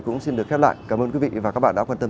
cũng xin được khép lại cảm ơn quý vị và các bạn đã quan tâm